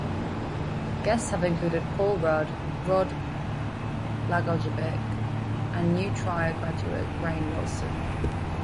Guests have included Paul Rudd, Rod Blagojevich, and New Trier graduate Rainn Wilson.